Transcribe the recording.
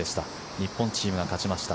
日本チームが勝ちました。